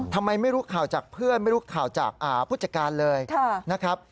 ทำไมไม่รู้ข่าวจากเพื่อนไม่รู้ข่าวจากผู้จัดการเลยนะครับ